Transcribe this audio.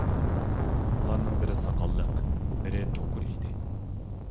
ئۇلارنىڭ بىرى ساقاللىق، بىرى توكۇر ئىدى.